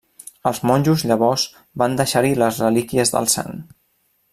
Els monjos, llavors, van deixar-hi les relíquies del sant.